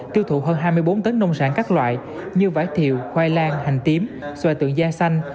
tiêu thụ hơn hai mươi bốn tấn nông sản các loại như vải thiều khoai lang hành tím xoài tượng da xanh